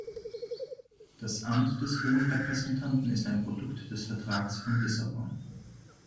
Das Amt des Hohen Repräsentanten ist ein Produkt des Vertrages von Lissabon.